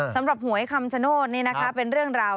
หวยคำชโนธนี่นะคะเป็นเรื่องราว